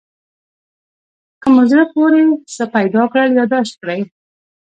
که مو زړه پورې څه پیدا کړل یادداشت کړئ.